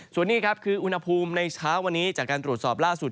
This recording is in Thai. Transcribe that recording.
ส่วนนี้ครับคืออุณหภูมิในเช้าวันนี้จากการตรวจสอบล่าสุด